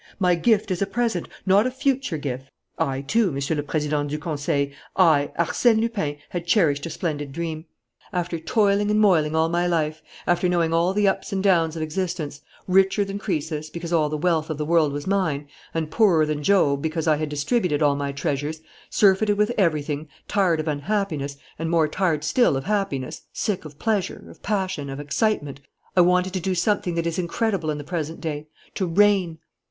My gift is a present, not a future gift. "I, too, Monsieur le Président du Conseil, I, Arsène Lupin, had cherished a splendid dream. After toiling and moiling all my life, after knowing all the ups and downs of existence, richer than Croesus, because all the wealth of the world was mine, and poorer than Job, because I had distributed all my treasures, surfeited with everything, tired of unhappiness, and more tired still of happiness, sick of pleasure, of passion, of excitement, I wanted to do something that is incredible in the present day: to reign!